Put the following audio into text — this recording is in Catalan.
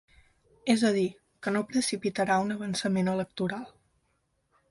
És a dir, que no precipitarà un avançament electoral.